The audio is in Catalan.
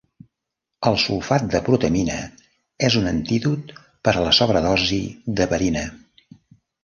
El sulfat de protamina és un antídot per a la sobredosi d'heparina.